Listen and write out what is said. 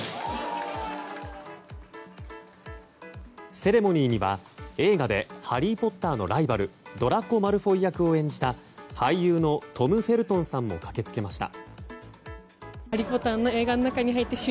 セレモニーには、映画でハリー・ポッターのライバルドラコ・マルフォイ役を演じた俳優のトム・フェルトンさんも駆けつけました。